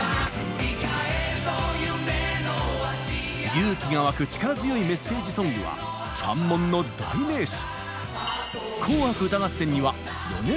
勇気がわく力強いメッセージソングはファンモンの代名詞。